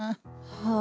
はあ。